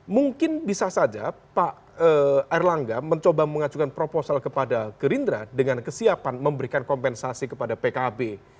mungkin bisa saja pak erlangga mencoba mengajukan proposal kepada gerindra dengan kesiapan memberikan kompensasi kepada pkb